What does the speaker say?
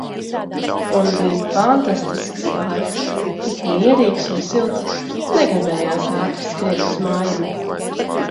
Un bija fantastisks laiks, tik mierīgs un silts. Negribējās ātri skriet uz mājām.